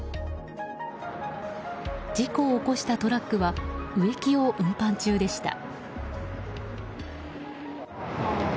事故を起こしたトラックは植木を運搬中でした。